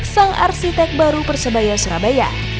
sang arsitek baru persebaya surabaya